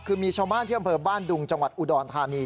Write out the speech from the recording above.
คือมีชาวบ้านที่อำเภอบ้านดุงจังหวัดอุดรธานี